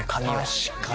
確かに。